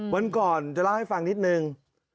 วันก่อนจะเล่าให้ฟังนิดนึง